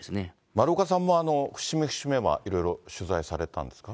丸岡さんも節目節目はいろいろ取材されたんですか？